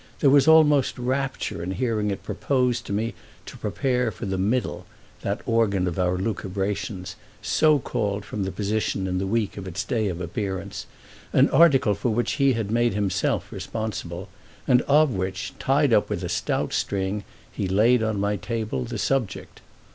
There was almost rapture in hearing it proposed to me to prepare for The Middle, the organ of our lucubrations, so called from the position in the week of its day of appearance, an article for which he had made himself responsible and of which, tied up with a stout string, he laid on my table the subject.